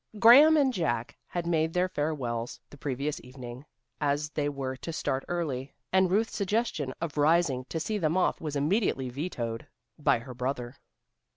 Graham and Jack had made their farewells the previous evening, as they were to start early, and Ruth's suggestion of rising to see them off was immediately vetoed by her brother.